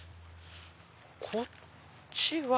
こっちは。